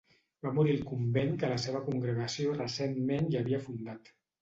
Va morir al convent que la seva congregació recentment hi havia fundat.